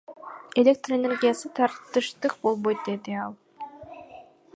Электр энергиясына тартыштык болбойт, — деди ал.